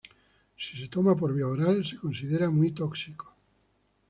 Si se toma por vía oral se considera muy tóxico.